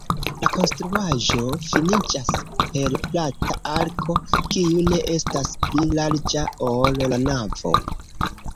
La konstruaĵo finiĝas per plata arko, kiu ne estas pli larĝa, ol la navo.